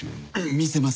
見せます。